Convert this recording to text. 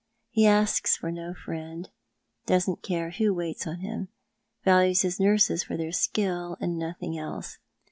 He asks for no friend, doesn't care who waits upon him, values his nurses for their skill and nothing else.